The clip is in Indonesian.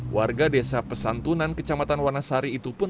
warga desa pesantunan kecamatan wanasari itu pun